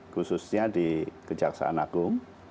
khususnya di kejaksaan agung